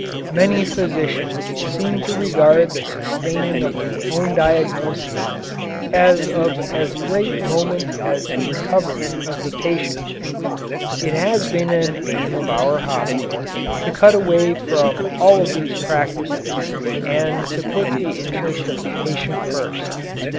Many physicians seem to regard the sustaining of their own diagnoses as of as great moment as the recovery of the patient. It has been an aim of our hospital to cut away from all of these practices and to put the interest of the patient first.